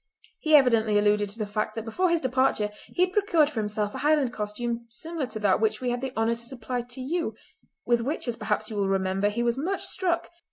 He evidently alluded to the fact that before his departure he had procured for himself a Highland costume similar to that which we had the honour to supply to you, with which, as perhaps you will remember, he was much struck.